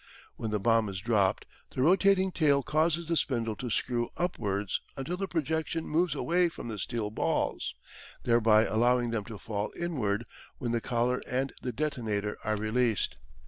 When the bomb is dropped the rotating tail causes the spindle to screw upwards until the projection moves away from the steel balls, thereby allowing them to fall inward when the collar and the detonator are released.